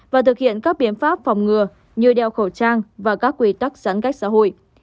và thực hiện các biện pháp phòng ngừa như đeo khẩu trang và các quy tắc giãn cách xã hội